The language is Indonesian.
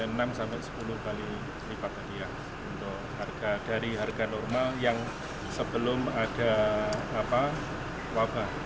lipat tadi ya untuk harga dari harga normal yang sebelum ada wabah